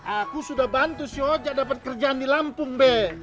aku sudah bantu sih ojek dapat kerjaan di lampung be